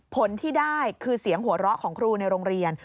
ผลที่ได้คือเสียงหัวเราะของครูในโรงเรียน